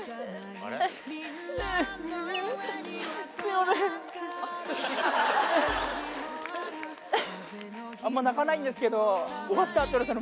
あんま泣かないんですけど。